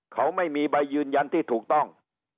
เขาไม่มีใบยืนยันที่ถูกต้อง